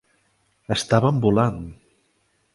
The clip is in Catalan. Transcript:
Estaven volant!